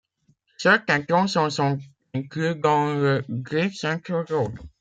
Certains tronçons sont inclus dans la Great Central Road.